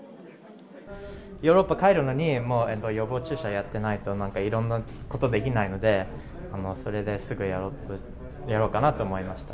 ヨーロッパ帰るのに、もう予防注射やってないと、なんかいろんなことできないので、それですぐやろうかなと思いました。